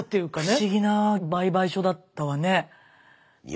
不思議な売買所だったわね。